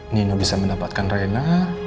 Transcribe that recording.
nino bisa mendapatkan rena